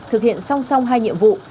thực hiện song song hai nhiệm vụ